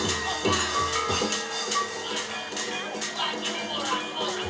kegelisahan akan miskinnya penerus tradisi terus dilawan